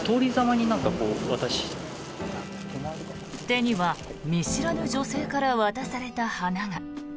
手には見知らぬ女性から渡された花が。